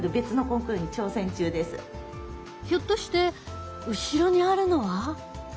ひょっとして後ろにあるのは？